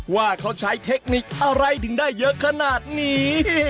ว่าเขาใช้เทคนิคอะไรถึงได้เยอะขนาดนี้